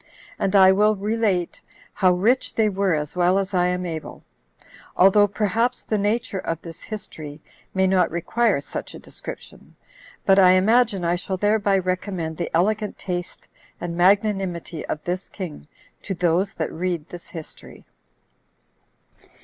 And I will relate how rich they were as well as I am able, although perhaps the nature of this history may not require such a description; but I imagine I shall thereby recommend the elegant taste and magnanimity of this king to those that read this history.